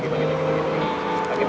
sini juga ada rupiah